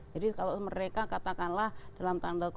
jadi kalau mereka katakanlah dalam tanggal ke tiga